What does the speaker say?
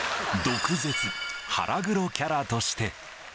毒舌、腹黒キャラとして。